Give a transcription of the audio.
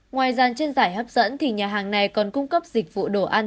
ngoài gian trên giải hấp dẫn thì nhà hàng này còn cung cấp dịch vụ đồ ăn